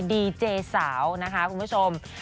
ดีเจสาวนะคะคุณผู้ชม